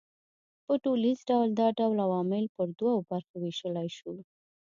په ټوليز ډول دا ډول عوامل پر دوو برخو وېشلای سو